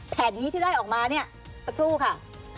แผนนี้ที่ได้ออกมาเนี่ยสักครู่ค่ะ